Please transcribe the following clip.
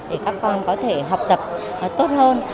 để các con có thể học tập tốt hơn